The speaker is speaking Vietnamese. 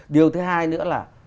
điều thứ hai nữa là